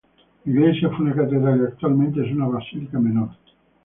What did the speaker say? La iglesia fue una catedral y actualmente es una basílica menor.